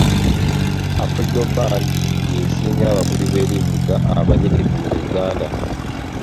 Afrigo band y'esinga abakubi b'ebivuga abamanyirivu mu Uganda.